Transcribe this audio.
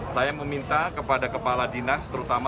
saya meminta kepada pemprov sumbar untuk mencari penyelenggaraan